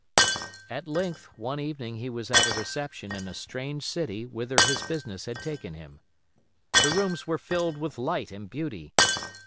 At length one evening he was at a reception in a strange city whither his business had taken him. The rooms were filled with light and beauty.